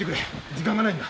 時間がないんだ。